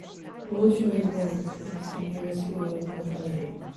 Bolshoy Lug is the nearest rural locality.